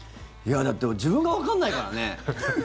だって自分がわかんないからね。